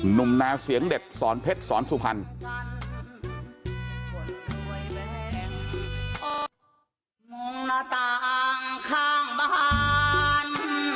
หนุ่มนาเสียงเด็ดสรเพชรสรสุพรรณ